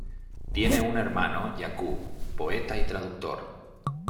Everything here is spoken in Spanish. Tiene un hermano, Jakub, poeta y traductor.